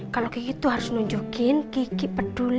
kalau kiki tuh harus nunjukin kiki peduli